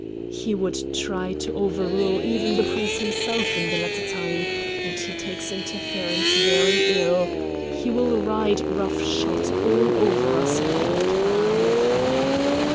"He would try to overrule even the Prince himself in the latter time; and he takes interference very ill. He will ride roughshod over all of us if he can."